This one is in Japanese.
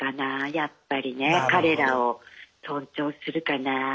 やっぱりね彼らを尊重するかな。